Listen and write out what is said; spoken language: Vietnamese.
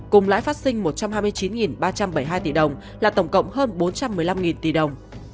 cùng lãi phát sinh một trăm hai mươi chín ba trăm bảy mươi hai tỷ đồng là tổng cộng hơn bốn trăm một mươi năm tỷ đồng